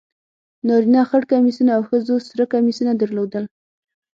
نارینه خر کمیسونه او ښځو سره کمیسونه درلودل.